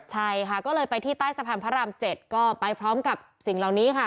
ใช่ค่ะก็เลยไปที่ใต้สะพานพระราม๗ก็ไปพร้อมกับสิ่งเหล่านี้ค่ะ